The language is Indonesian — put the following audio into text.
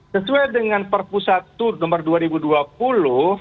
sesuai dengan perpusat tur nomor dua ribu dua puluh